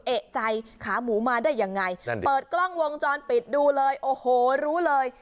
เอกใจขาหมูมาได้ยังไงนั่นเปิดกล้องวงจรปิดดูเลยโอ้โหรู้เลย